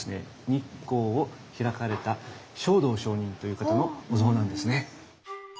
日光を開かれた勝道上人という方のお像なんですね。